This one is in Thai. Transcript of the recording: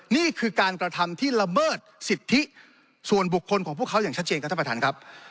นี่คือการกระทำที่ละเมิดสิทธิส่วนบุคคลของพวกเขาอย่างชัดเจนครับท่านประธานครับ